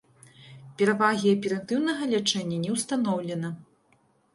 Перавагі аператыўнага лячэння не ўстаноўлена.